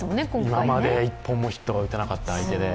今まで１本もヒットを打てなかった相手で。